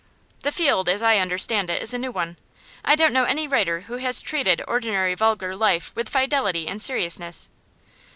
The field, as I understand it, is a new one; I don't know any writer who has treated ordinary vulgar life with fidelity and seriousness.